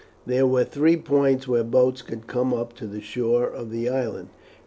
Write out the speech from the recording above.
There were three points where boats could come up to the shore of the island.